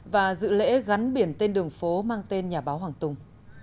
và dự lễ gắn biển tên đường phố mang tên nhà báo hoàng tùng